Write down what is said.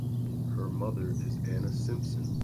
Her mother is Anna Simpson.